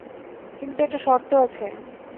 কিন্তু একটা শর্ত আছে।